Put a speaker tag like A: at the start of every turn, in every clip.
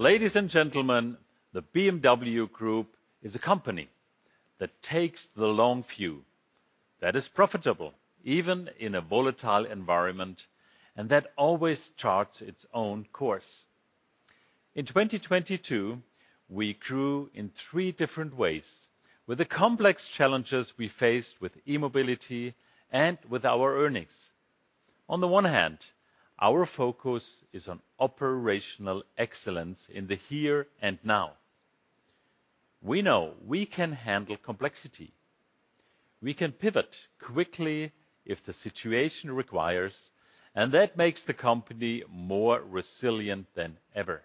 A: Ladies and gentlemen, the BMW Group is a company that takes the long view, that is profitable even in a volatile environment, and that always charts its own course. In 2022, we grew in three different ways with the complex challenges we faced with e-mobility and with our earnings. On the one hand, our focus is on operational excellence in the here and now. We know we can handle complexity. We can pivot quickly if the situation requires, and that makes the company more resilient than ever.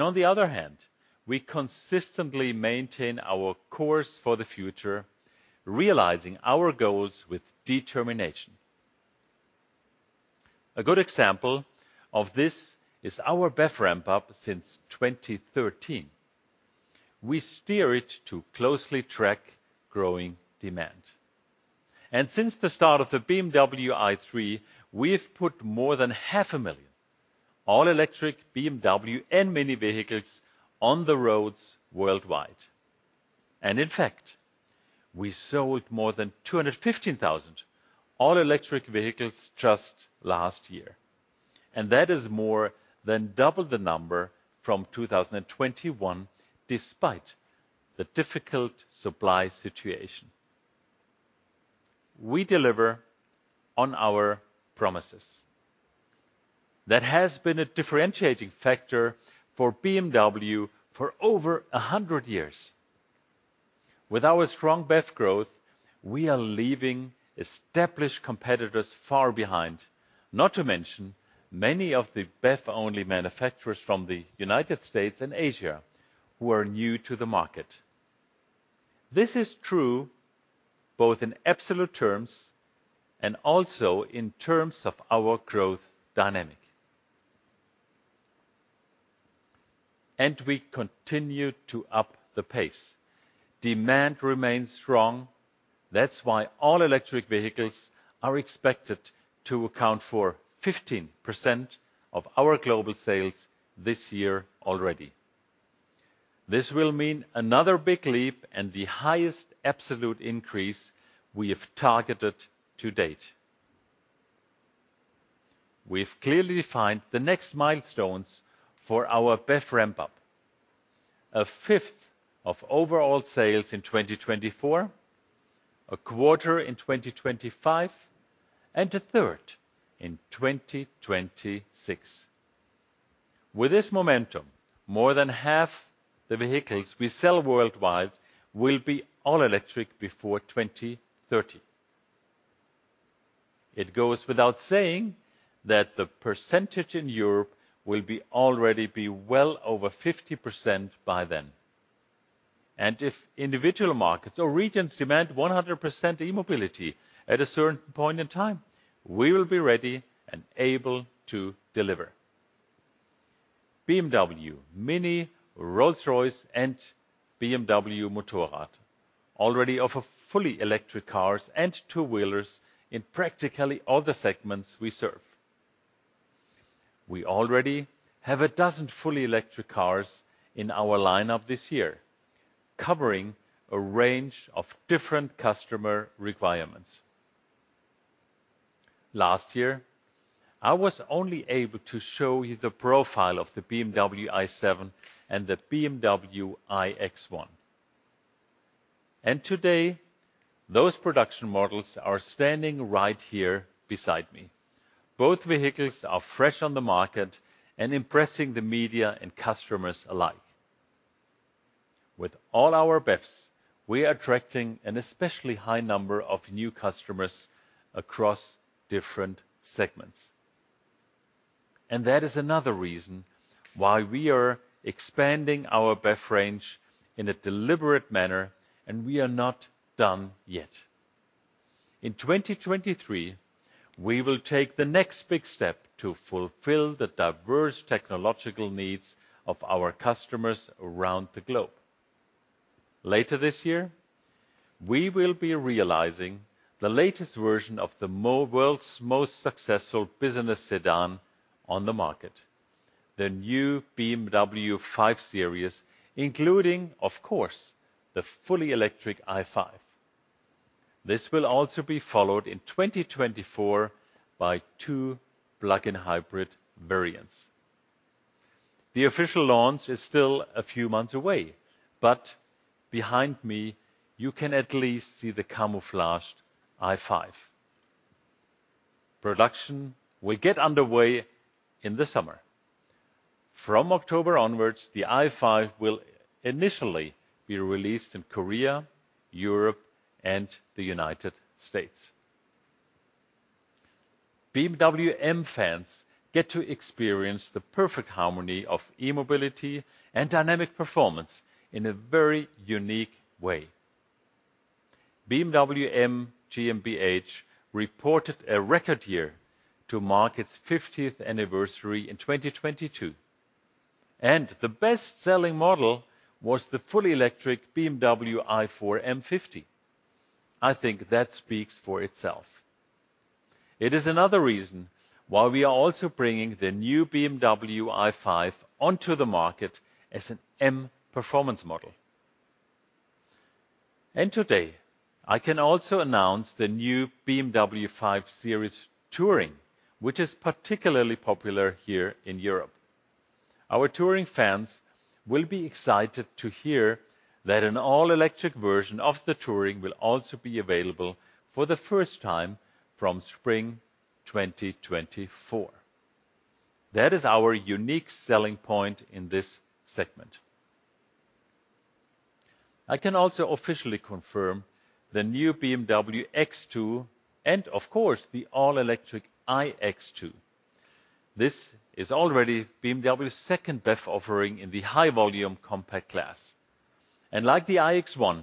A: On the other hand, we consistently maintain our course for the future, realizing our goals with determination. A good example of this is our BEV ramp-up since 2013. We steer it to closely track growing demand. Since the start of the BMW i3, we've put more than 500,000 all-electric BMW and MINI vehicles on the roads worldwide. In fact, we sold more than 215,000 all-electric vehicles just last year, that is more than double the number from 2021 despite the difficult supply situation. We deliver on our promises. That has been a differentiating factor for BMW for over 100 years. With our strong BEV growth, we are leaving established competitors far behind, not to mention many of the BEV-only manufacturers from the United States and Asia who are new to the market. This is true both in absolute terms and also in terms of our growth dynamic. We continue to up the pace. Demand remains strong. That's why all-electric vehicles are expected to account for 15% of our global sales this year already. This will mean another big leap and the highest absolute increase we have targeted to date. We've clearly defined the next milestones for our BEV ramp-up. A fifth of overall sales in 2024, a quarter in 2025, and a third in 2026. With this momentum, more than half the vehicles we sell worldwide will be all electric before 2030. It goes without saying that the percentage in Europe will already be well over 50% by then. If individual markets or regions demand 100% e-mobility at a certain point in time, we will be ready and able to deliver. BMW, MINI, Rolls-Royce, and BMW Motorrad already offer fully electric cars and two-wheelers in practically all the segments we serve. We already have a dozen fully electric cars in our lineup this year, covering a range of different customer requirements. Last year, I was only able to show you the profile of the BMW i7 and the BMW iX1. Today, those production models are standing right here beside me. Both vehicles are fresh on the market and impressing the media and customers alike. With all our BEVs, we are attracting an especially high number of new customers across different segments, and that is another reason why we are expanding our BEV range in a deliberate manner, and we are not done yet. In 2023, we will take the next big step to fulfill the diverse technological needs of our customers around the globe. Later this year, we will be realizing the latest version of the world's most successful business sedan on the market, the new BMW 5 Series, including, of course, the fully electric i5. This will also be followed in 2024 by two plug-in hybrid variants. The official launch is still a few months away, but behind me you can at least see the camouflaged i5. Production will get underway in the summer. From October onwards, the i5 will initially be released in Korea, Europe, and the United States. BMW M fans get to experience the perfect harmony of e-mobility and dynamic performance in a very unique way. BMW M GmbH reported a record year to mark its fiftieth anniversary in 2022, and the best-selling model was the fully electric BMW i4 M50. I think that speaks for itself. It is another reason why we are also bringing the new i5 onto the market as an M performance model. Today, I can also announce the new BMW 5 Series Touring, which is particularly popular here in Europe. Our touring fans will be excited to hear that an all-electric version of the Touring will also be available for the first time from spring 2024. That is our unique selling point in this segment. I can also officially confirm the new BMW X2 and of course the all-electric iX2. This is already BMW's second BEV offering in the high-volume compact class. Like the iX1,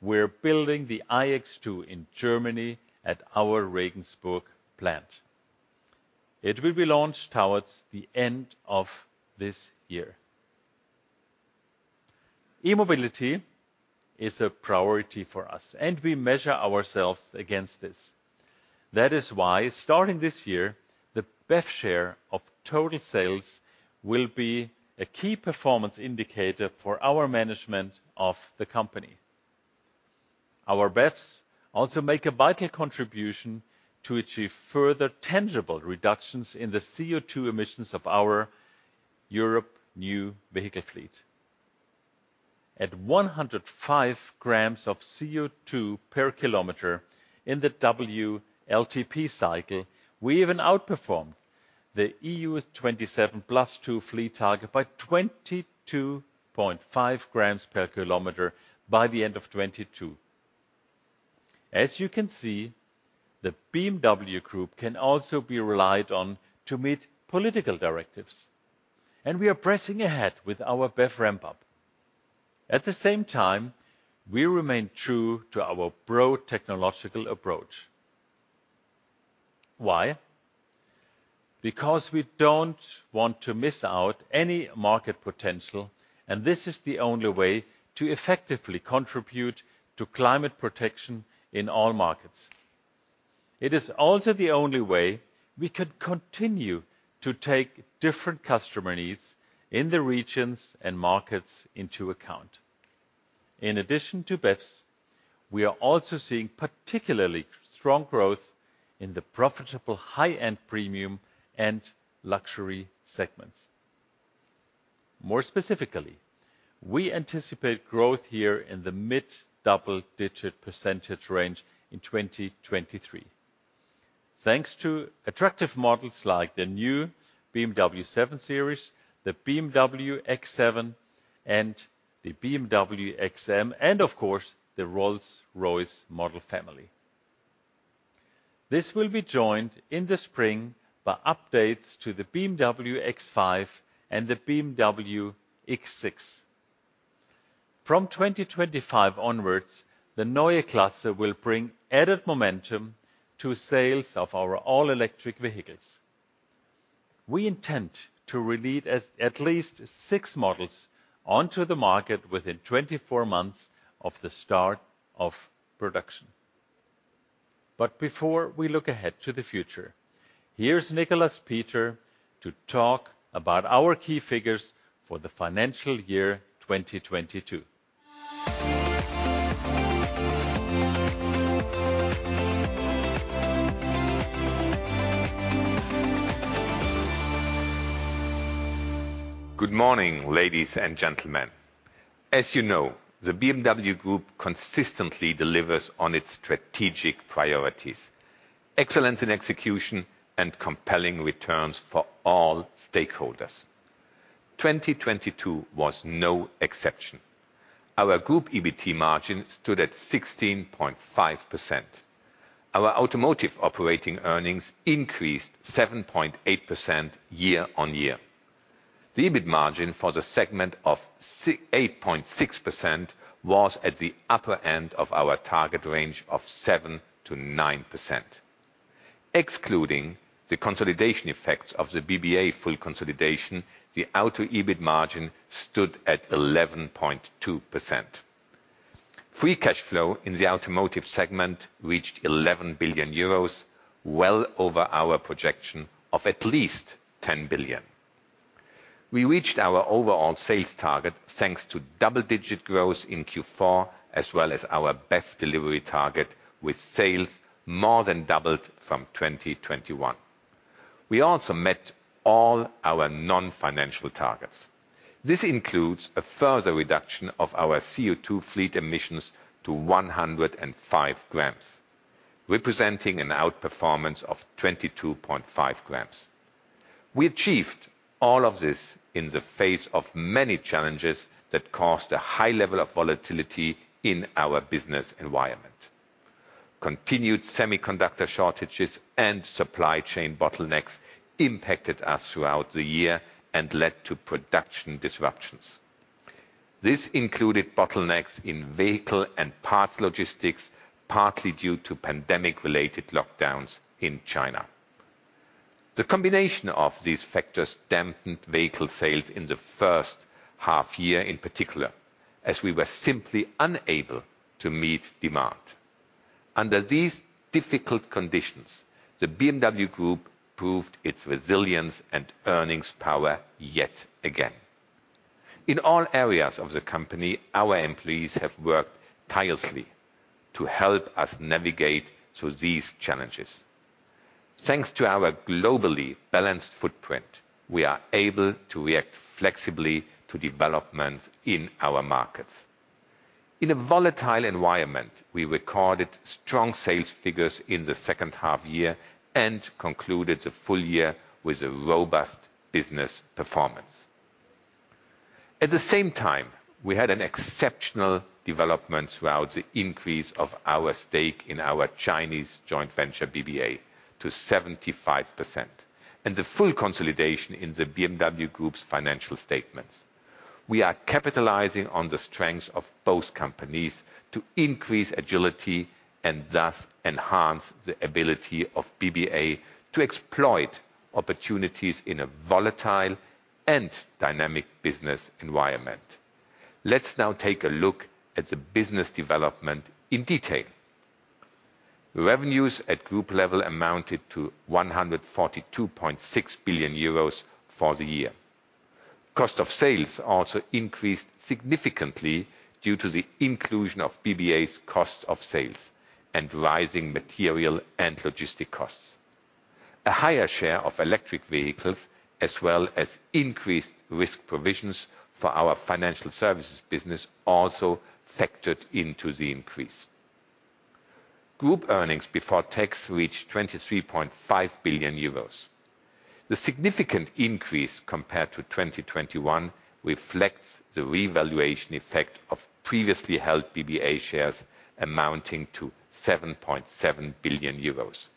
A: we're building the iX2 in Germany at our Regensburg plant. It will be launched towards the end of this year. E-mobility is a priority for us, and we measure ourselves against this. That is why, starting this year, the BEV share of total sales will be a key performance indicator for our management of the company. Our BEVs also make a vital contribution to achieve further tangible reductions in the CO2 emissions of our Europe new vehicle fleet. At 105 g of CO2 per km in the WLTP cycle, we even outperformed the EU27+2 fleet target by 22.5 g per km by the end of 2022. As you can see, the BMW Group can also be relied on to meet political directives, and we are pressing ahead with our BEV ramp up. At the same time, we remain true to our broad technological approach. Why? Because we don't want to miss out any market potential, and this is the only way to effectively contribute to climate protection in all markets. It is also the only way we could continue to take different customer needs in the regions and markets into account. In addition to BEVs, we are also seeing particularly strong growth in the profitable high-end premium and luxury segments. More specifically, we anticipate growth here in the mid double-digit percentage range in 2023. Thanks to attractive models like the new BMW 7 Series, the BMW X7, and the BMW XM, and of course, the Rolls-Royce model family. This will be joined in the spring by updates to the BMW X5 and the BMW X6. From 2025 onwards, the Neue Klasse will bring added momentum to sales of our all-electric vehicles. We intend to release at least six models onto the market within 24 months of the start of production. Before we look ahead to the future, here's Nicolas Peter to talk about our key figures for the financial year 2022.
B: Good morning, ladies and gentlemen. As you know, the BMW Group consistently delivers on its strategic priorities, excellence in execution, and compelling returns for all stakeholders. 2022 was no exception. Our group EBT margin stood at 16.5%. Our automotive operating earnings increased 7.8% year-over-year. The EBIT margin for the segment of 8.6% was at the upper end of our target range of 7%-9%. Excluding the consolidation effects of the BBA full consolidation, the auto EBIT margin stood at 11.2%. Free cash flow in the automotive segment reached 11 billion euros, well over our projection of at least 10 billion. We reached our overall sales target thanks to double-digit growth in Q4, as well as our BEV delivery target with sales more than doubled from 2021. We also met all our non-financial targets. This includes a further reduction of our CO2 fleet emissions to 105 g, representing an outperformance of 22.5 g. We achieved all of this in the face of many challenges that caused a high level of volatility in our business environment. Continued semiconductor shortages and supply chain bottlenecks impacted us throughout the year and led to production disruptions. This included bottlenecks in vehicle and parts logistics, partly due to pandemic-related lockdowns in China. The combination of these factors dampened vehicle sales in the first half year, in particular, as we were simply unable to meet demand. Under these difficult conditions, the BMW Group proved its resilience and earnings power yet again. In all areas of the company, our employees have worked tirelessly to help us navigate through these challenges. Thanks to our globally balanced footprint, we are able to react flexibly to developments in our markets. In a volatile environment, we recorded strong sales figures in the second half year and concluded the full year with a robust business performance. At the same time, we had an exceptional development throughout the increase of our stake in our Chinese joint venture, BBA, to 75%, and the full consolidation in the BMW Group's financial statements. We are capitalizing on the strengths of both companies to increase agility and thus enhance the ability of BBA to exploit opportunities in a volatile and dynamic business environment. Let's now take a look at the business development in detail. Revenues at group level amounted to 142.6 billion euros for the year. Cost of sales also increased significantly due to the inclusion of BBA's cost of sales and rising material and logistic costs. A higher share of electric vehicles, as well as increased risk provisions for our financial services business, also factored into the increase. Group earnings before tax reached 23.5 billion euros. The significant increase compared to 2021 reflects the revaluation effect of previously held BBA shares amounting to 7.7 billion euros.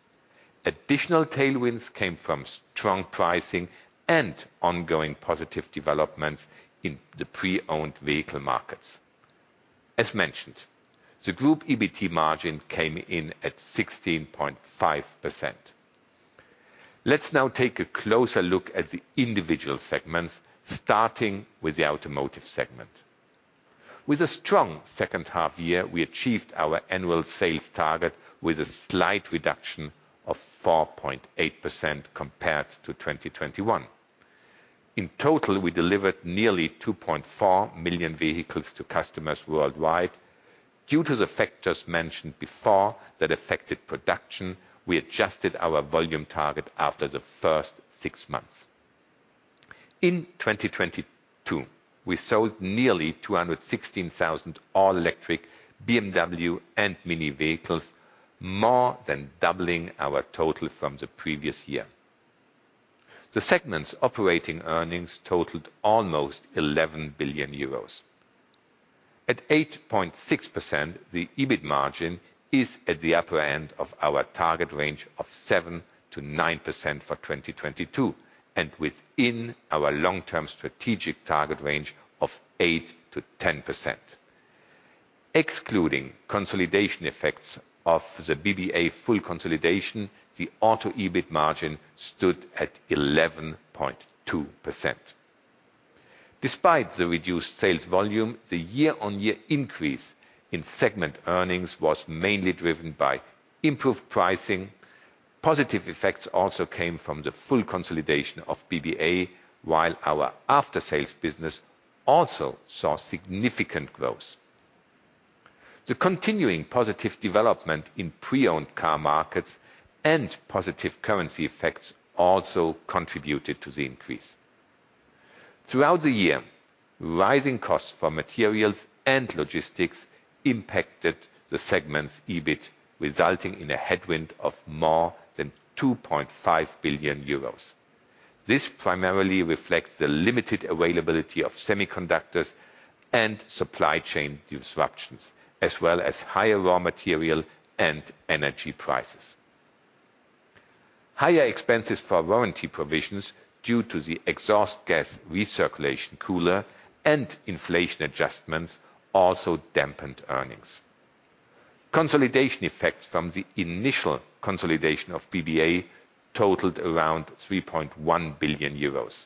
B: Additional tailwinds came from strong pricing and ongoing positive developments in the pre-owned vehicle markets. As mentioned, the Group EBT margin came in at 16.5%. Let's now take a closer look at the individual segments, starting with the automotive segment. With a strong second half year, we achieved our annual sales target with a slight reduction of 4.8% compared to 2021. In total, we delivered nearly 2.4 million vehicles to customers worldwide. Due to the factors mentioned before that affected production, we adjusted our volume target after the first six months. In 2022, we sold nearly 216,000 all-electric BMW and MINI vehicles, more than doubling our total from the previous year. The segment's operating earnings totaled almost 11 billion euros. At 8.6%, the EBIT margin is at the upper end of our target range of 7%-9% for 2022, and within our long-term strategic target range of 8%-10%. Excluding consolidation effects of the BBA full consolidation, the auto EBIT margin stood at 11.2%. Despite the reduced sales volume, the year-on-year increase in segment earnings was mainly driven by improved pricing. Positive effects also came from the full consolidation of BBA, while our after-sales business also saw significant growth. The continuing positive development in pre-owned car markets and positive currency effects also contributed to the increase. Throughout the year, rising costs for materials and logistics impacted the segment's EBIT, resulting in a headwind of more than 2.5 billion euros. This primarily reflects the limited availability of semiconductors and supply chain disruptions, as well as higher raw material and energy prices. Higher expenses for warranty provisions due to the Exhaust Gas Recirculation Cooler and inflation adjustments also dampened earnings. Consolidation effects from the initial consolidation of BBA totaled around 3.1 billion euros.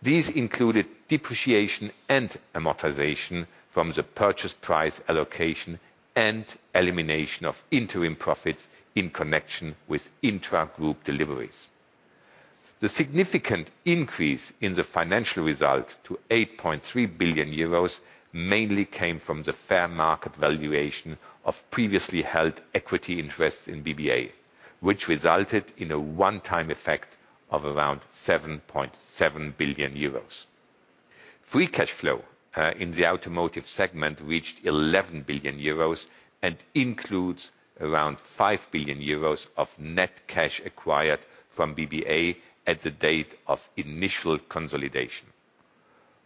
B: These included depreciation and amortization from the purchase price allocation and elimination of interim profits in connection with intra-group deliveries. The significant increase in the financial result to 8.3 billion euros mainly came from the fair market valuation of previously held equity interests in BBA, which resulted in a one-time effect of around 7.7 billion euros. Free cash flow in the automotive segment reached 11 billion euros and includes around 5 billion euros of net cash acquired from BBA at the date of initial consolidation.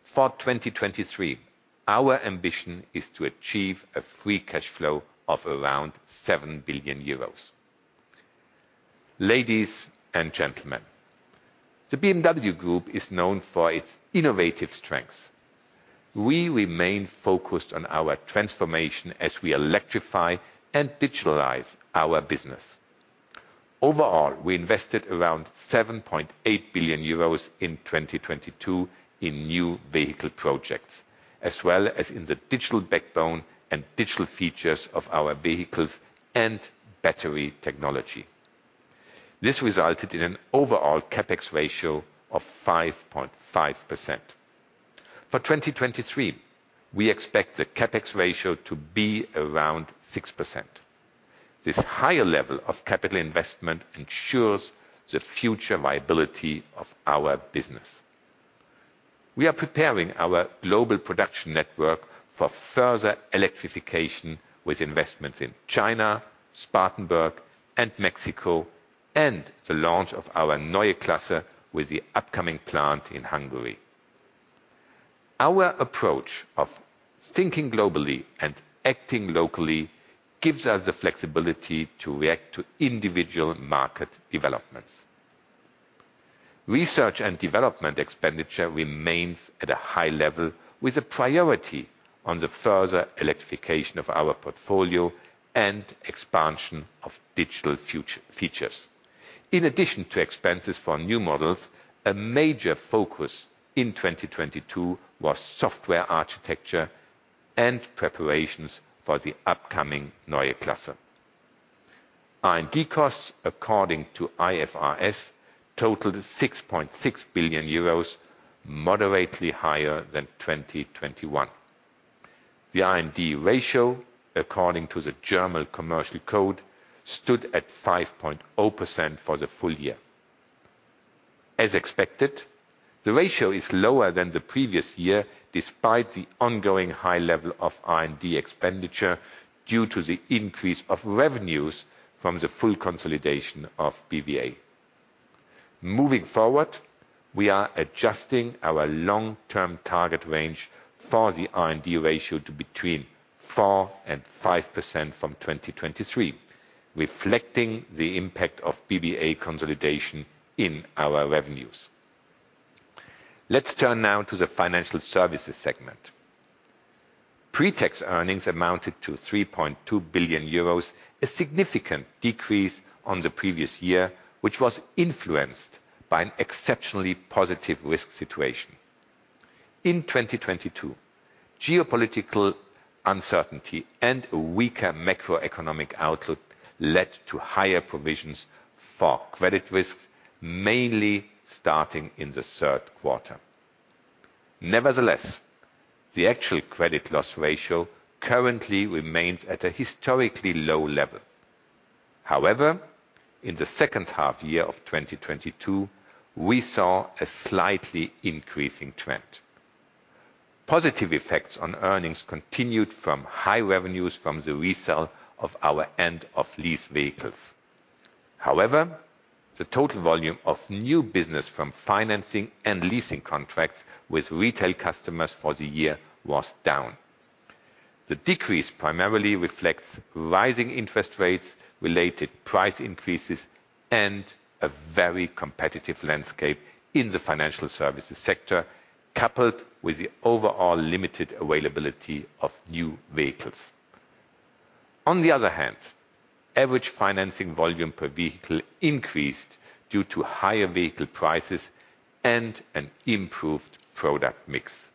B: For 2023, our ambition is to achieve a free cash flow of around 7 billion euros. Ladies and gentlemen. The BMW Group is known for its innovative strengths. We remain focused on our transformation as we electrify and digitalize our business. Overall, we invested around 7.8 billion euros in 2022 in new vehicle projects, as well as in the digital backbone and digital features of our vehicles and battery technology. This resulted in an overall CapEx ratio of 5.5%. For 2023, we expect the CapEx ratio to be around 6%. This higher level of capital investment ensures the future viability of our business. We are preparing our global production network for further electrification with investments in China, Spartanburg, and Mexico, and the launch of our Neue Klasse with the upcoming plant in Hungary. Our approach of thinking globally and acting locally gives us the flexibility to react to individual market developments. Research and development expenditure remains at a high level with a priority on the further electrification of our portfolio and expansion of digital features. In addition to expenses for new models, a major focus in 2022 was software architecture and preparations for the upcoming Neue Klasse. R&D costs according to IFRS totaled 6.6 billion euros, moderately higher than 2021. The R&D ratio according to the German Commercial Code stood at 5.0% for the full year. As expected, the ratio is lower than the previous year, despite the ongoing high level of R&D expenditure due to the increase of revenues from the full consolidation of BBA. Moving forward, we are adjusting our long-term target range for the R&D ratio to between 4% and 5% from 2023, reflecting the impact of BBA consolidation in our revenues. Let's turn now to the financial services segment. Pre-tax earnings amounted to 3.2 billion euros, a significant decrease on the previous year, which was influenced by an exceptionally positive risk situation. In 2022, geopolitical uncertainty and a weaker macroeconomic outlook led to higher provisions for credit risks, mainly starting in the third quarter. Nevertheless, the actual credit loss ratio currently remains at a historically low level. However, in the second half year of 2022, we saw a slightly increasing trend. Positive effects on earnings continued from high revenues from the resale of our end of lease vehicles. However, the total volume of new business from financing and leasing contracts with retail customers for the year was down. The decrease primarily reflects rising interest rates related price increases and a very competitive landscape in the financial services sector, coupled with the overall limited availability of new vehicles. On the other hand, average financing volume per vehicle increased due to higher vehicle prices and an improved product mix.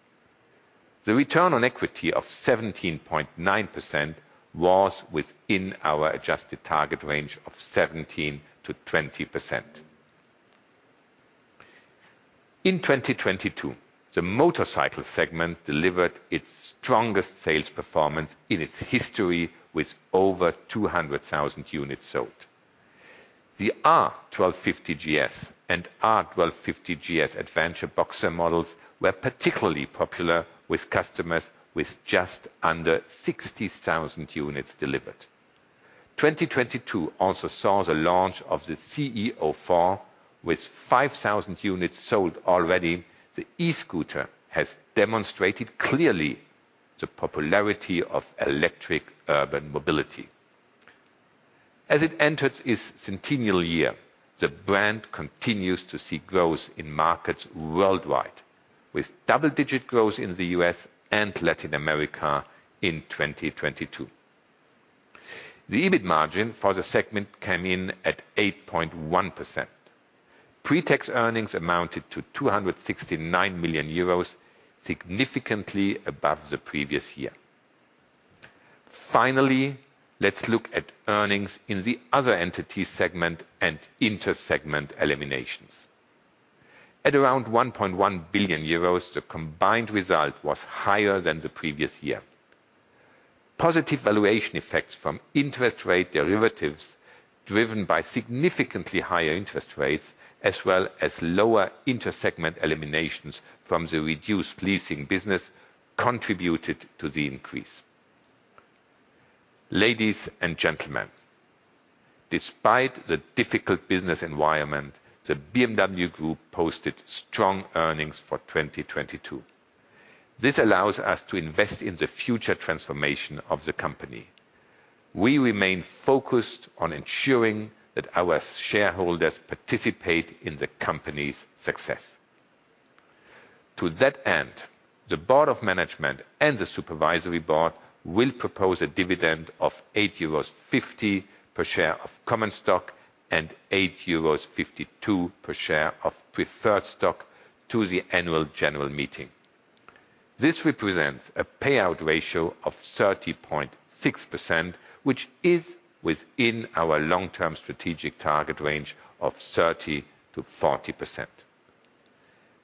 B: The return on equity of 17.9% was within our adjusted target range of 17%-20%. In 2022, the motorcycle segment delivered its strongest sales performance in its history with over 200,000 units sold. The R 1250 GS and R 1250 GS Adventure boxer models were particularly popular with customers with just under 60,000 units delivered. 2022 also saw the launch of the CE 04 with 5,000 units sold already. The e-scooter has demonstrated clearly the popularity of electric urban mobility. As it enters its centennial year, the brand continues to see growth in markets worldwide with double-digit growth in the U.S. and Latin America in 2022. The EBIT margin for the segment came in at 8.1%. Pre-tax earnings amounted to 269 million euros, significantly above the previous year. Let's look at earnings in the other entity segment and inter-segment eliminations. At around 1.1 billion euros, the combined result was higher than the previous year. Positive valuation effects from interest rate derivatives driven by significantly higher interest rates as well as lower inter-segment eliminations from the reduced leasing business contributed to the increase. Ladies and gentlemen, despite the difficult business environment, the BMW Group posted strong earnings for 2022. This allows us to invest in the future transformation of the company. We remain focused on ensuring that our shareholders participate in the company's success. To that end, the board of management and the supervisory board will propose a dividend of 80.50 euros per share of common stock and 8.52 euros per share of preferred stock to the annual general meeting. This represents a payout ratio of 30.6%, which is within our long-term strategic target range of 30%-40%.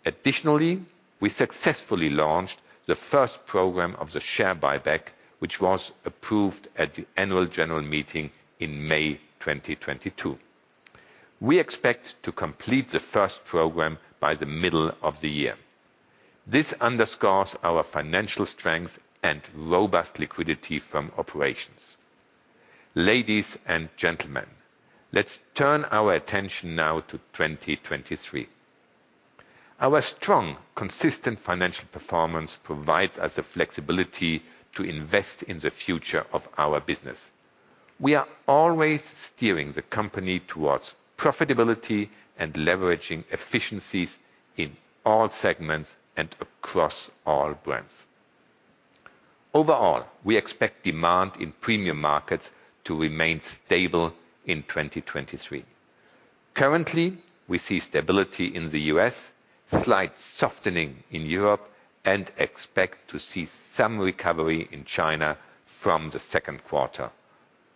B: Additionally, we successfully launched the first program of the share buyback, which was approved at the annual general meeting in May 2022. We expect to complete the first program by the middle of the year. This underscores our financial strength and robust liquidity from operations. Ladies and gentlemen, let's turn our attention now to 2023. Our strong, consistent financial performance provides us the flexibility to invest in the future of our business. We are always steering the company towards profitability and leveraging efficiencies in all segments and across all brands. Overall, we expect demand in premium markets to remain stable in 2023. Currently, we see stability in the U.S., slight softening in Europe, and expect to see some recovery in China from the second quarter,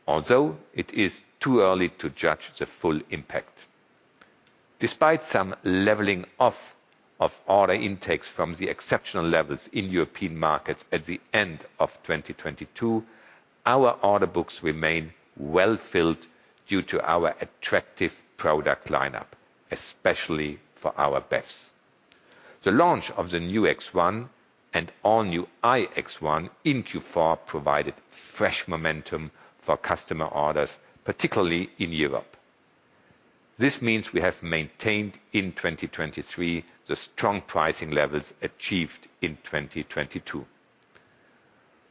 B: although it is too early to judge the full impact. Despite some leveling off of order intakes from the exceptional levels in European markets at the end of 2022, our order books remain well filled due to our attractive product lineup, especially for our BEVs. The launch of the new X1 and all-new iX1 in Q4 provided fresh momentum for customer orders, particularly in Europe. This means we have maintained in 2023 the strong pricing levels achieved in 2022.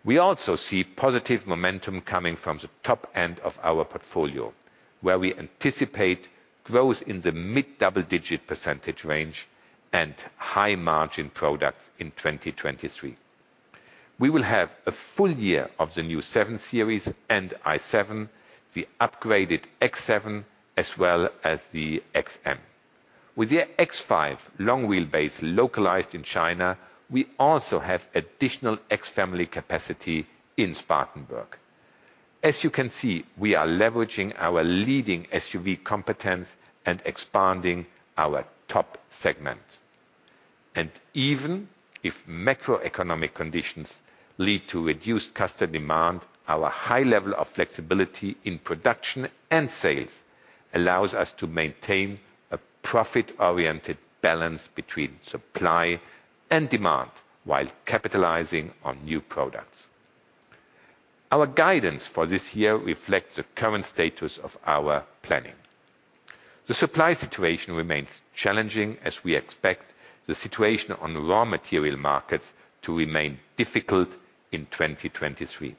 B: We also see positive momentum coming from the top end of our portfolio, where we anticipate growth in the mid-double-digit % range and high-margin products in 2023. We will have a full year of the new 7 Series and i7, the upgraded X7, as well as the XM. With the X5 Long Wheelbase localized in China, we also have additional X family capacity in Spartanburg. As you can see, we are leveraging our leading SUV competence and expanding our top segment. Even if macroeconomic conditions lead to reduced customer demand, our high level of flexibility in production and sales allows us to maintain a profit-oriented balance between supply and demand while capitalizing on new products. Our guidance for this year reflects the current status of our planning. The supply situation remains challenging as we expect the situation on raw material markets to remain difficult in 2023.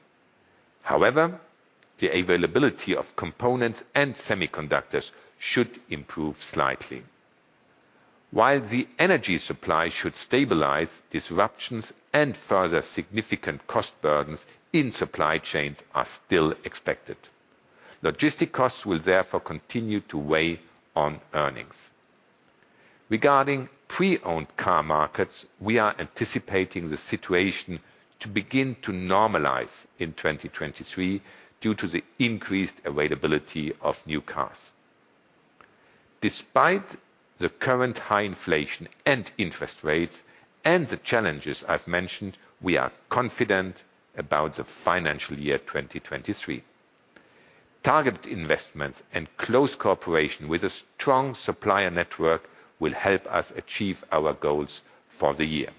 B: However, the availability of components and semiconductors should improve slightly. While the energy supply should stabilize, disruptions and further significant cost burdens in supply chains are still expected. Logistic costs will therefore continue to weigh on earnings. Regarding pre-owned car markets, we are anticipating the situation to begin to normalize in 2023 due to the increased availability of new cars. Despite the current high inflation and interest rates and the challenges I've mentioned, we are confident about the financial year 2023. Targeted investments and close cooperation with a strong supplier network will help us achieve our goals for the year.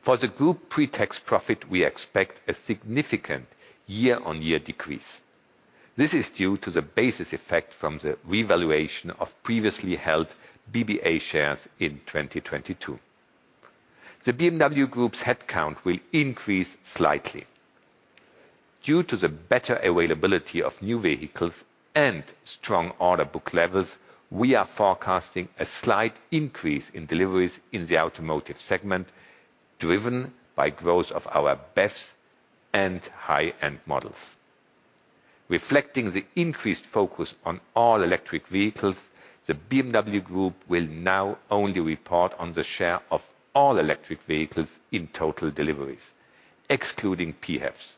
B: For the Group pretax profit, we expect a significant year-on-year decrease. This is due to the basis effect from the revaluation of previously held BBA shares in 2022. The BMW Group's headcount will increase slightly. Due to the better availability of new vehicles and strong order book levels, we are forecasting a slight increase in deliveries in the automotive segment, driven by growth of our BEVs and high-end models. Reflecting the increased focus on all-electric vehicles, the BMW Group will now only report on the share of all-electric vehicles in total deliveries, excluding PHEVs,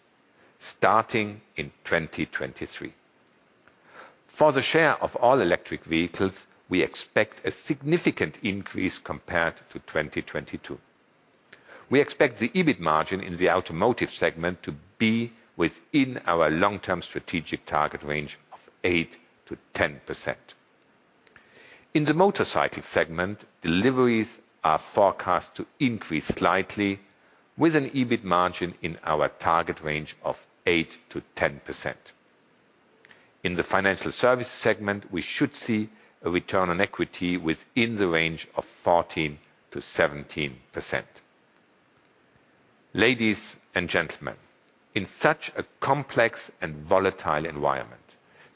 B: starting in 2023. For the share of all-electric vehicles, we expect a significant increase compared to 2022. We expect the EBIT margin in the automotive segment to be within our long-term strategic target range of 8%-10%. In the motorcycle segment, deliveries are forecast to increase slightly with an EBIT margin in our target range of 8%-10%. In the financial service segment, we should see a return on equity within the range of 14%-17%. Ladies and gentlemen, in such a complex and volatile environment,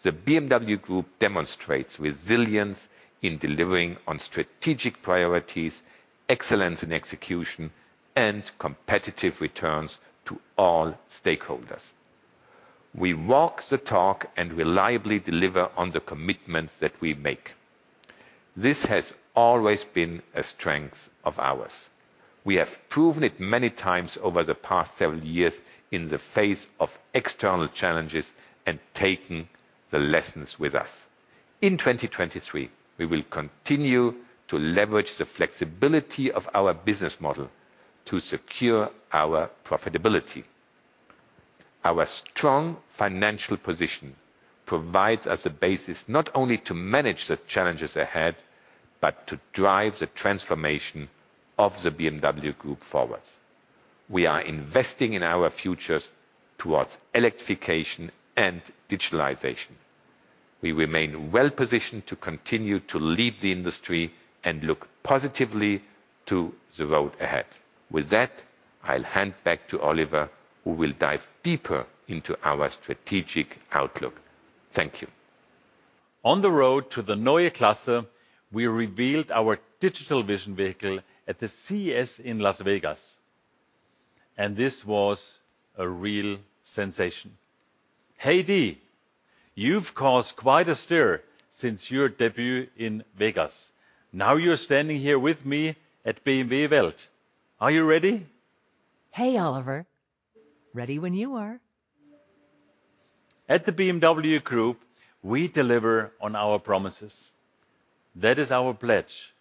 B: the BMW Group demonstrates resilience in delivering on strategic priorities, excellence in execution, and competitive returns to all stakeholders. We walk the talk and reliably deliver on the commitments that we make. This has always been a strength of ours. We have proven it many times over the past several years in the face of external challenges and taken the lessons with us. In 2023, we will continue to leverage the flexibility of our business model to secure our profitability. Our strong financial position provides us a basis not only to manage the challenges ahead, but to drive the transformation of the BMW Group forwards. We are investing in our futures towards electrification and digitalization. We remain well-positioned to continue to lead the industry and look positively to the road ahead. With that, I'll hand back to Oliver, who will dive deeper into our strategic outlook. Thank you.
A: On the road to the Neue Klasse, we revealed our digital vision vehicle at the CES in Las Vegas. This was a real sensation. Hey, Dee, you've caused quite a stir since your debut in Vegas. Now you're standing here with me at BMW Welt. Are you ready?
C: Hey, Oliver. Ready when you are.
A: At the BMW Group, we deliver on our promises. That is our pledge.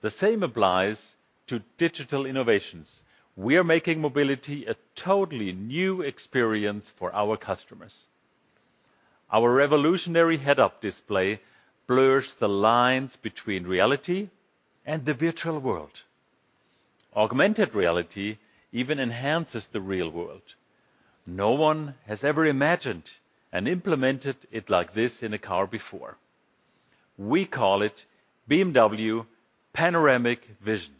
A: The same applies to digital innovations. We are making mobility a totally new experience for our customers. Our revolutionary head-up display blurs the lines between reality and the virtual world. Augmented Reality even enhances the real world. No one has ever imagined and implemented it like this in a car before. We call it BMW Panoramic Vision.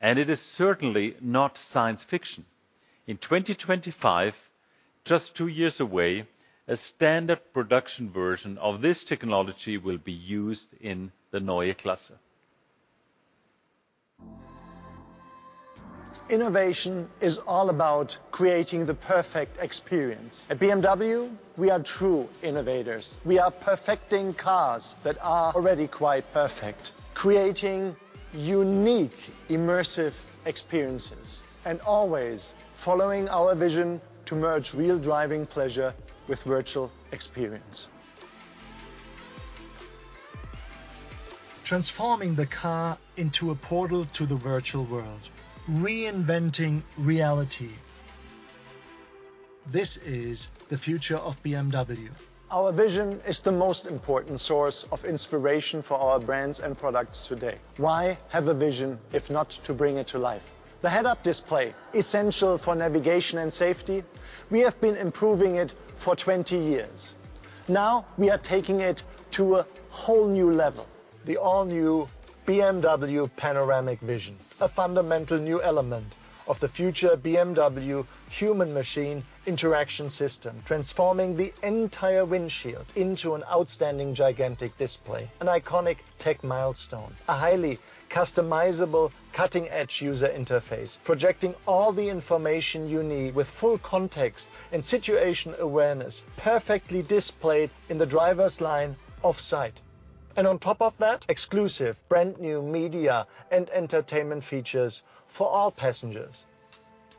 A: It is certainly not science fiction. In 2025, just two years away, a standard production version of this technology will be used in the Neue Klasse.
D: Innovation is all about creating the perfect experience. At BMW, we are true innovators. We are perfecting cars that are already quite perfect, creating unique immersive experiences and always following our vision to merge real driving pleasure with virtual experience. Transforming the car into a portal to the virtual world, reinventing reality. This is the future of BMW. Our vision is the most important source of inspiration for our brands and products today. Why have a vision if not to bring it to life? The Head-Up Display, essential for navigation and safety, we have been improving it for 20 years. Now we are taking it to a whole new level, the all-new BMW Panoramic Vision, a fundamental new element of the future BMW human machine interaction system, transforming the entire windshield into an outstanding gigantic display, an iconic tech milestone, a highly customizable cutting-edge user interface projecting all the information you need with full context and situation awareness perfectly displayed in the driver's line of sight. On top of that, exclusive brand-new media and entertainment features for all passengers.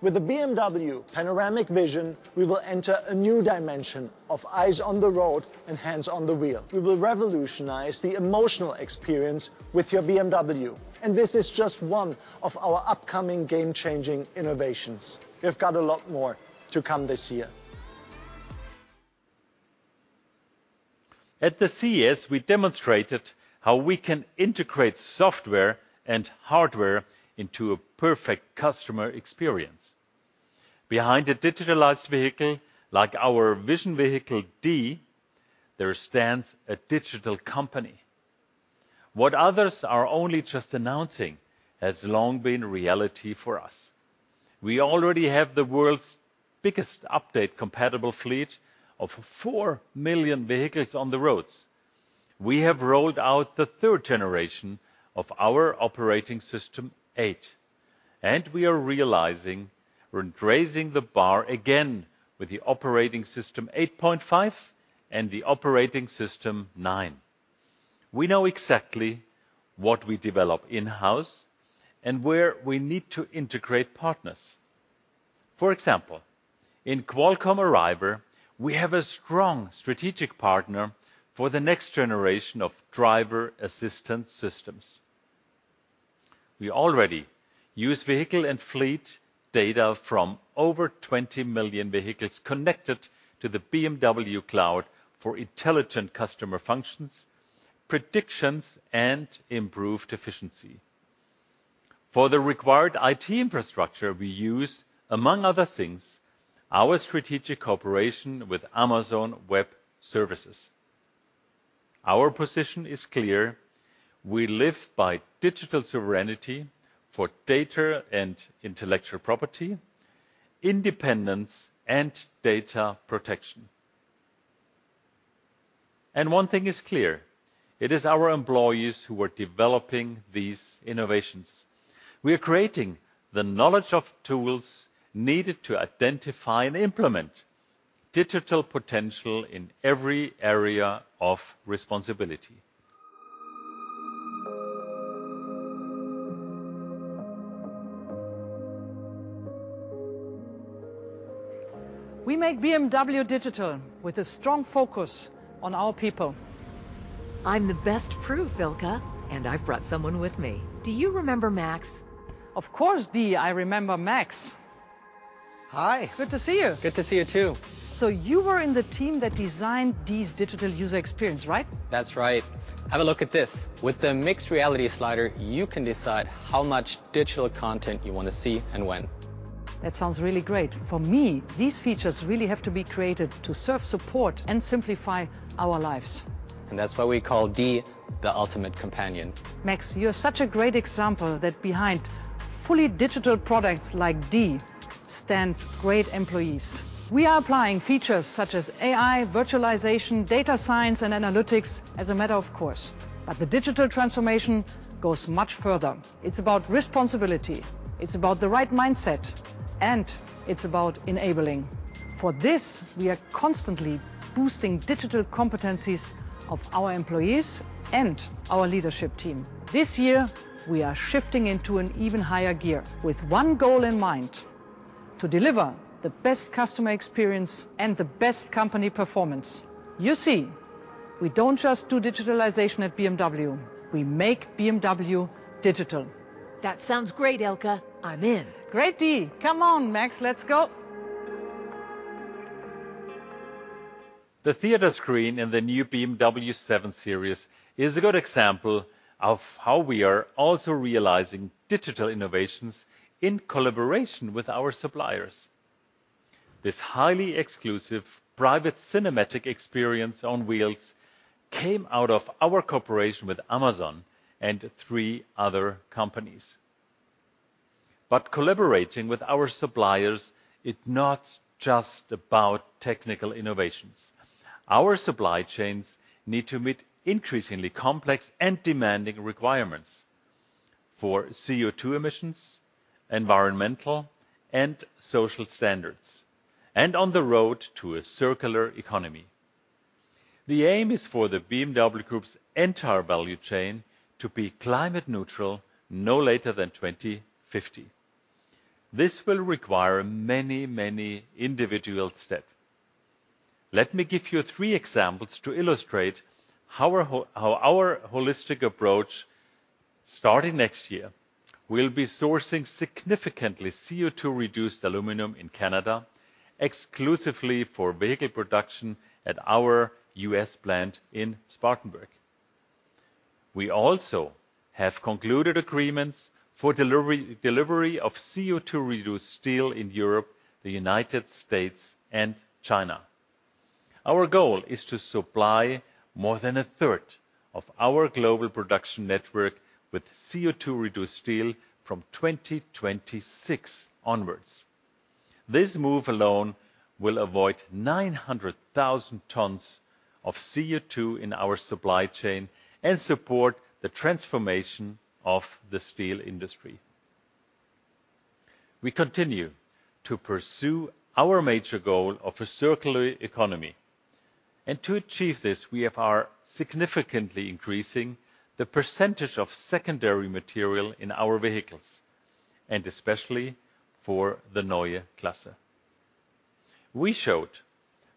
D: With the BMW Panoramic Vision, we will enter a new dimension of eyes on the road and hands on the wheel. We will revolutionize the emotional experience with your BMW. This is just one of our upcoming game-changing innovations. We've got a lot more to come this year.
A: At the CES, we demonstrated how we can integrate software and hardware into a perfect customer experience. Behind a digitalized vehicle like our Vision Vehicle D, there stands a digital company. What others are only just announcing has long been reality for us. We already have the world's biggest update-compatible fleet of 4 million vehicles on the roads. We have rolled out the third generation of our Operating System 8. We are realizing we're raising the bar again with the Operating System 8.5 and the Operating System 9. We know exactly what we develop in-house and where we need to integrate partners. For example, in Qualcomm Arriver, we have a strong strategic partner for the next generation of driver assistance systems. We already use vehicle and fleet data from over 20 million vehicles connected to the BMW Cloud for intelligent customer functions, predictions, and improved efficiency. For the required IT infrastructure we use, among other things, our strategic cooperation with Amazon Web Services. Our position is clear. We live by digital sovereignty for data and intellectual property, independence and data protection. One thing is clear; it is our employees who are developing these innovations. We are creating the knowledge of tools needed to identify and implement digital potential in every area of responsibility.
E: We make BMW digital with a strong focus on our people.
C: I'm the best proof, Ilka, and I've brought someone with me. Do you remember Max?
E: Of course, Dee, I remember Max.
F: Hi.
E: Good to see you.
F: Good to see you too.
E: You were in the team that designed Dee's digital user experience, right?
F: That's right. Have a look at this. With the Mixed Reality Slider, you can decide how much digital content you wanna see and when.
E: That sounds really great. For me, these features really have to be created to serve support and simplify our lives.
F: That's why we call Dee the ultimate companion.
E: Max, you're such a great example that behind fully digital products like Dee stand great employees. We are applying features such as AI, virtualization, data science, and analytics as a matter of course. The digital transformation goes much further. It's about responsibility, it's about the right mindset, and it's about enabling. For this, we are constantly boosting digital competencies of our employees and our leadership team. This year, we are shifting into an even higher gear with one goal in mind: to deliver the best customer experience and the best company performance. You see, we don't just do digitalization at BMW, we make BMW digital.
C: That sounds great, Ilka. I'm in.
E: Great, Di. Come on, Max. Let's go.
A: The theater screen in the new BMW 7 Series is a good example of how we are also realizing digital innovations in collaboration with our suppliers. This highly exclusive private cinematic experience on wheels came out of our cooperation with Amazon and three other companies. Collaborating with our suppliers is not just about technical innovations. Our supply chains need to meet increasingly complex and demanding requirements for CO2 emissions, environmental and social standards, and on the road to a circular economy. The aim is for the BMW Group's entire value chain to be climate neutral no later than 2050. This will require many individual steps. Let me give you three examples to illustrate how our holistic approach starting next year will be sourcing significantly CO2 reduced aluminum in Canada exclusively for vehicle production at our U.S. plant in Spartanburg. We also have concluded agreements for delivery of CO2 reduced steel in Europe, the United States, and China. Our goal is to supply more than a third of our global production network with CO2 reduced steel from 2026 onwards. This move alone will avoid 900,000 tons of CO2 in our supply chain and support the transformation of the steel industry. We continue to pursue our major goal of a circular economy. To achieve this, we are significantly increasing the percentage of secondary material in our vehicles, and especially for the Neue Klasse. We showed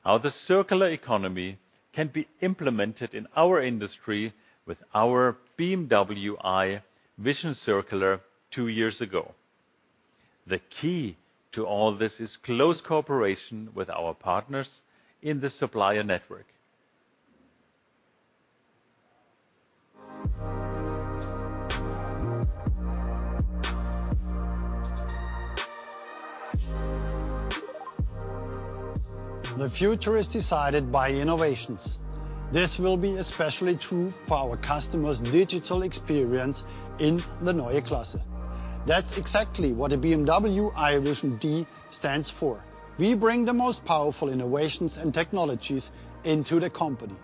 A: how the circular economy can be implemented in our industry with our BMW i Vision Circular two years ago. The key to all this is close cooperation with our partners in the supplier network.
D: The future is decided by innovations. This will be especially true for our customers' digital experience in the Neue Klasse. That's exactly what a BMW i Vision Dee stands for. We bring the most powerful innovations and technologies into the company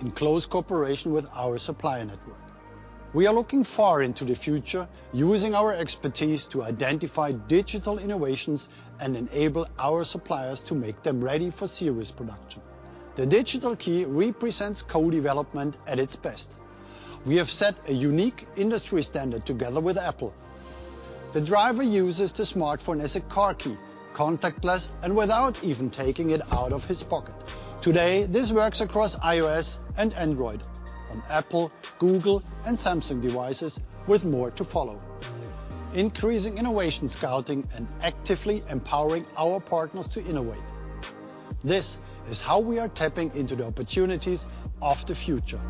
D: in close cooperation with our supplier network. We are looking far into the future using our expertise to identify digital innovations and enable our suppliers to make them ready for serious production. The Digital Key represents co-development at its best. We have set a unique industry standard together with Apple. The driver uses the smartphone as a car key, contactless and without even taking it out of his pocket. Today, this works across iOS and Android on Apple, Google, and Samsung devices with more to follow. Increasing innovation scouting and actively empowering our partners to innovate. This is how we are tapping into the opportunities of the future.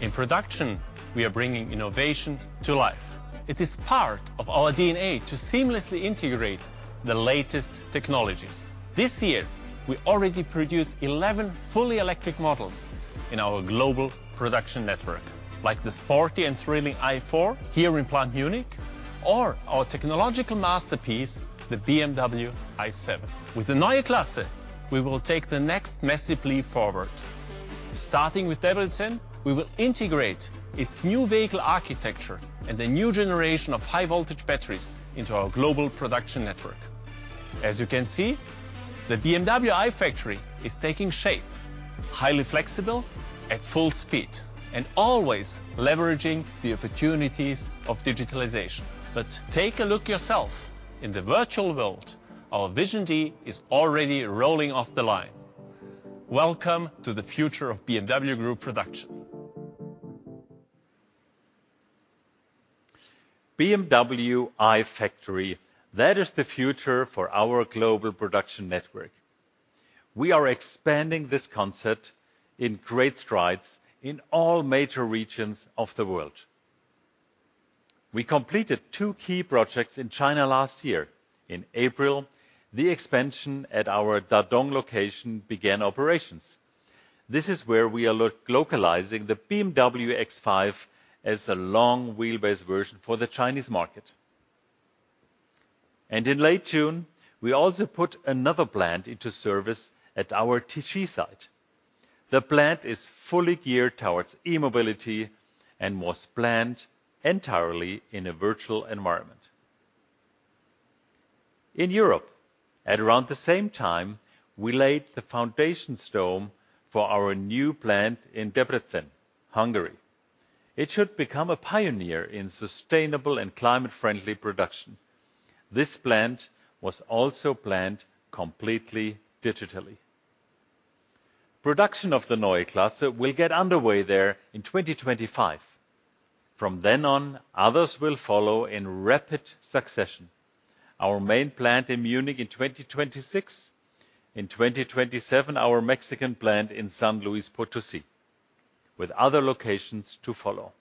A: In production, we are bringing innovation to life. It is part of our DNA to seamlessly integrate the latest technologies. This year, we already produce 11 fully electric models in our global production network. Like the sporty and thrilling BMW i4 here in Plant Munich, or our technological masterpiece, the BMW i7. With Neue Klasse, we will take the next massive leap forward. Starting with Debrecen, we will integrate its new vehicle architecture and the new generation of high voltage batteries into our global production network. As you can see, the BMW iFACTORY is taking shape, highly flexible at full speed, and always leveraging the opportunities of digitalization. Take a look yourself. In the virtual world, our Vision Dee is already rolling off the line. Welcome to the future of BMW Group production. BMW iFACTORY, that is the future for our global production network. We are expanding this concept in great strides in all major regions of the world. We completed two key projects in China last year. In April, the expansion at our Dadong location began operations. This is where we are localizing the BMW X5 as a long wheelbase version for the Chinese market. In late June, we also put another plant into service at our TG site. The plant is fully geared towards e-mobility and was planned entirely in a virtual environment. In Europe, at around the same time, we laid the foundation stone for our new plant in Debrecen, Hungary. It should become a pioneer in sustainable and climate-friendly production. This plant was also planned completely digitally. Production of the Neue Klasse will get underway there in 2025. From then on, others will follow in rapid succession. Our main plant in Munich in 2026. In 2027, our Mexican plant in San Luis Potosi, with other locations to follow.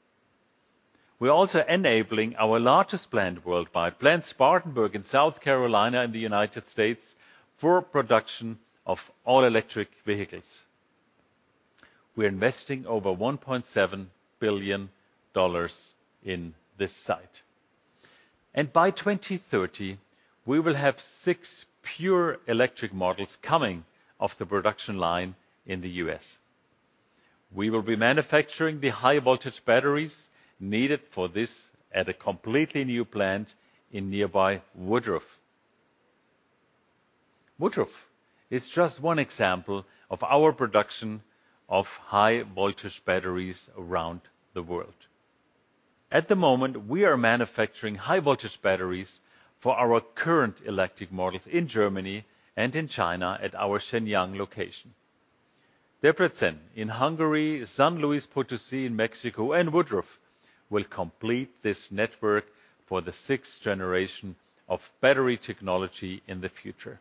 A: We're also enabling our largest plant worldwide, Plant Spartanburg in South Carolina in the United States, for production of all electric vehicles. We're investing over $1.7 billion in this site. By 2030, we will have six pure electric models coming off the production line in the U.S. We will be manufacturing the high voltage batteries needed for this at a completely new plant in nearby Woodruff. Woodruff is just one example of our production of high voltage batteries around the world. At the moment, we are manufacturing high voltage batteries for our current electric models in Germany and in China at our Shenyang location. Debrecen in Hungary, San Luis Potosi in Mexico, and Woodruff will complete this network for the sixth generation of battery technology in the future.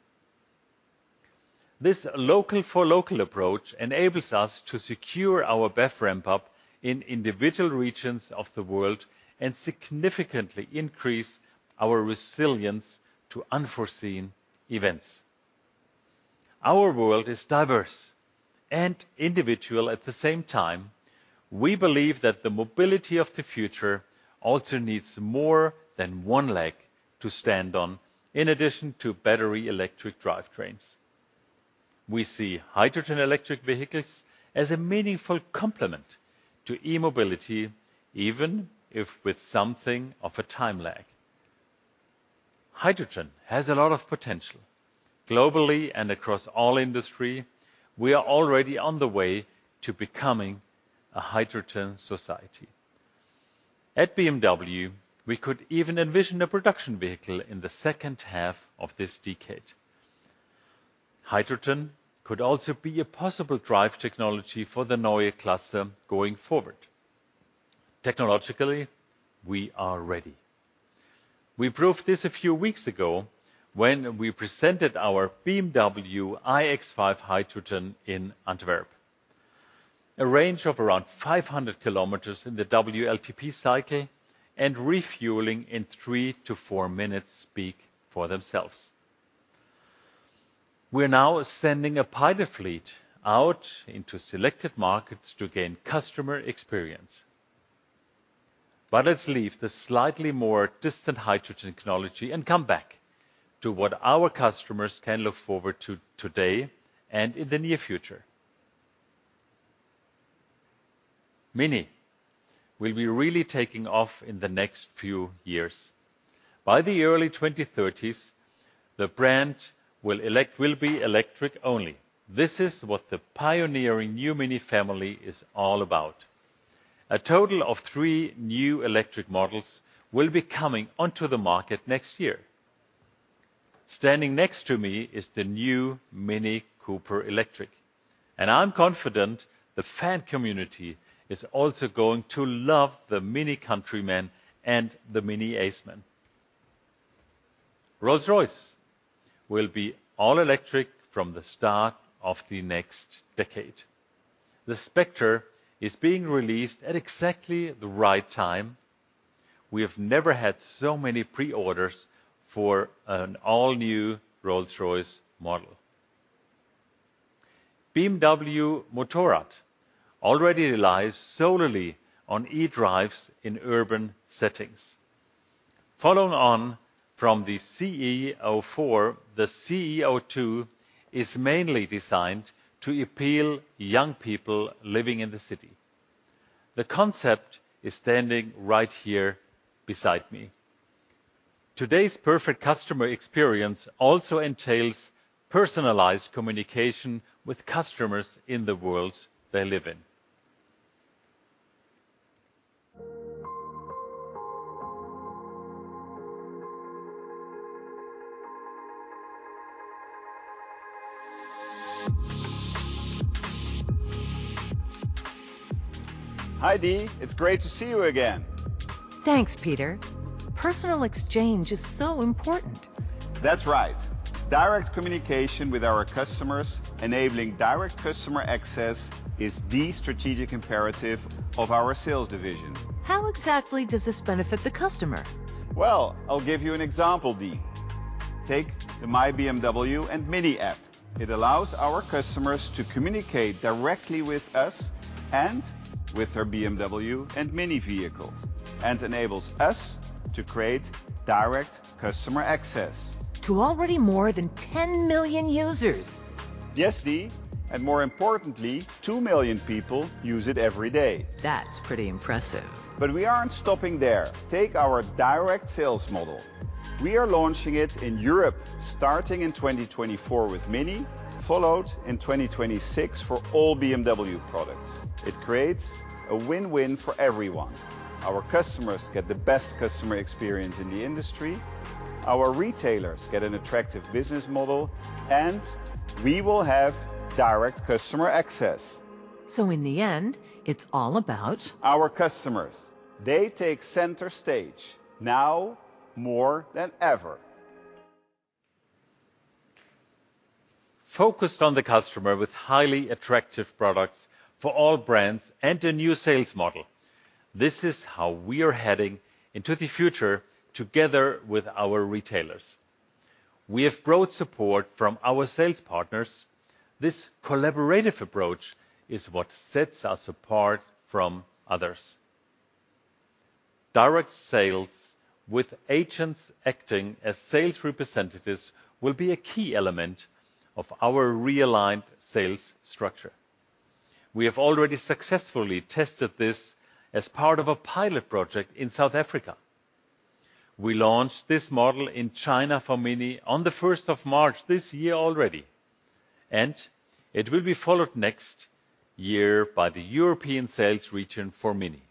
A: This local for local approach enables us to secure our BEV ramp up in individual regions of the world and significantly increase our resilience to unforeseen events. Our world is diverse and individual at the same time. We believe that the mobility of the future also needs more than one leg to stand on in addition to battery electric drivetrains. We see hydrogen electric vehicles as a meaningful complement to e-mobility, even if with something of a time lag. Hydrogen has a lot of potential. Globally and across all industry, we are already on the way to becoming a hydrogen society. At BMW, we could even envision a production vehicle in the second half of this decade. Hydrogen could also be a possible drive technology for the Neue Klasse going forward. Technologically, we are ready. We proved this a few weeks ago when we presented our BMW iX5 Hydrogen in Antwerp. A range of around 500 kilometers in the WLTP cycle and refueling in 3 minutes-4 minutes speak for themselves. We're now sending a pilot fleet out into selected markets to gain customer experience. Let's leave the slightly more distant hydrogen technology and come back to what our customers can look forward to today and in the near future. MINI will be really taking off in the next few years. By the early 2030s, the brand will be electric only. This is what the pioneering new MINI family is all about. A total of three new electric models will be coming onto the market next year. Standing next to me is the new MINI Cooper Electric. I'm confident the fan community is also going to love the MINI Countryman and the MINI Aceman. Rolls-Royce will be all electric from the start of the next decade. The Spectre is being released at exactly the right time. We have never had so many pre-orders for an all-new Rolls-Royce model. BMW Motorrad already relies solely on e-drives in urban settings. Following on from the CE 04, the CE 02 is mainly designed to appeal young people living in the city. The concept is standing right here beside me. Today's perfect customer experience also entails personalized communication with customers in the worlds they live in.
D: Hi, Dee. It's great to see you again.
C: Thanks, Peter. Personal exchange is so important.
D: That's right. Direct communication with our customers, enabling direct customer access is the strategic imperative of our sales division.
C: How exactly does this benefit the customer?
D: Well, I'll give you an example, Dee. Take the My BMW App and MINI App. It allows our customers to communicate directly with us and with their BMW and MINI vehicles and enables us to create direct customer access.
C: To already more than 10 million users.
D: Yes, Dee, and more importantly, 2 million people use it every day.
C: That's pretty impressive.
D: We aren't stopping there. Take our direct sales model. We are launching it in Europe, starting in 2024 with MINI, followed in 2026 for all BMW products. It creates a win-win for everyone. Our customers get the best customer experience in the industry, our retailers get an attractive business model, and we will have direct customer access.
C: In the end, it's all about.
D: Our customers. They take center stage, now more than ever.
A: Focused on the customer with highly attractive products for all brands and a new sales model. This is how we are heading into the future together with our retailers. We have broad support from our sales partners. This collaborative approach is what sets us apart from others. Direct sales with agents acting as sales representatives will be a key element of our realigned sales structure. We have already successfully tested this as part of a pilot project in South Africa. We launched this model in China for MINI on the first of March this year already. It will be followed next year by the European sales region for MINI.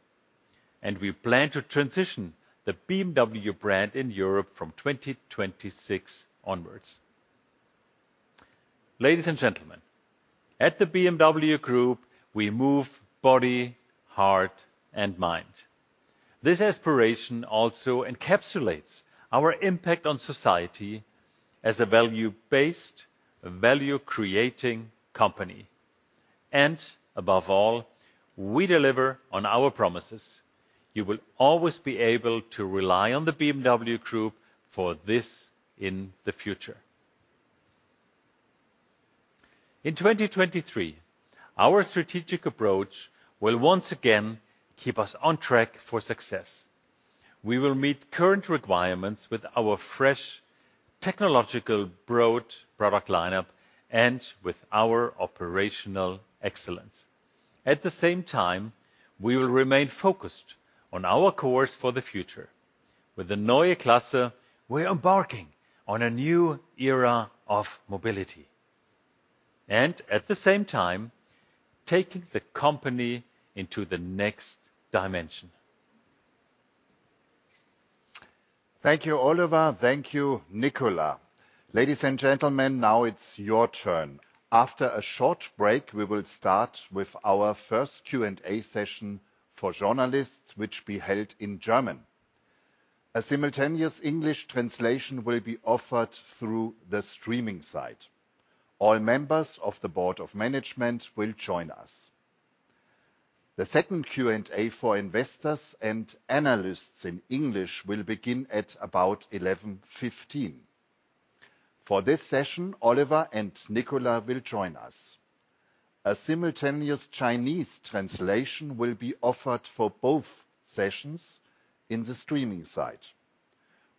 A: We plan to transition the BMW brand in Europe from 2026 onwards. Ladies and gentlemen, at the BMW Group, we move body, heart and mind. This aspiration also encapsulates our impact on society as a value-based, value-creating company. Above all, we deliver on our promises. You will always be able to rely on the BMW Group for this in the future. In 2023, our strategic approach will once again keep us on track for success. We will meet current requirements with our fresh technological broad product lineup and with our operational excellence. At the same time, we will remain focused on our course for the future. With the Neue Klasse, we're embarking on a new era of mobility. At the same time, taking the company into the next dimension.
G: Thank you, Oliver. Thank you, Nicolas. Ladies and gentlemen, now it's your turn. After a short break, we will start with our first Q&A session for journalists which will be held in German. A simultaneous English translation will be offered through the streaming site. All members of the board of management will join us. The second Q&A for investors and analysts in English will begin at about 11:15 A.M. For this session, Oliver and Nicolas will join us. A simultaneous Chinese translation will be offered for both sessions in the streaming site.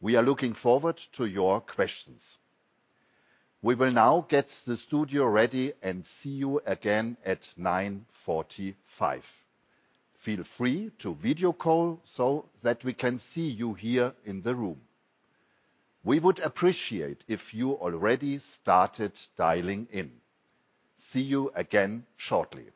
G: We are looking forward to your questions. We will now get the studio ready and see you again at 9:45 A.M. Feel free to video call so that we can see you here in the room. We would appreciate if you already started dialing in. See you again shortly.